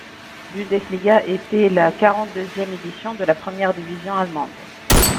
Bundesliga était la quarante-deuxième édition de la première division allemande.